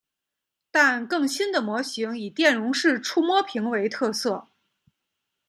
但更新的模型以电容式触摸屏为特色。